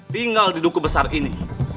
tinggal di duku besar ini